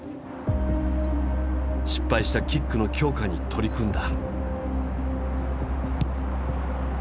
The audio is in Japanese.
失敗したキックの強化に取り組んだ。